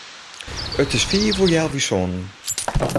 It is fiif oer healwei sânen.